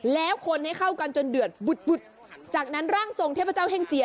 แล้วคนให้เข้ากันจนเดือดบุดจากนั้นร่างทรงเทพเจ้าแห่งเจีย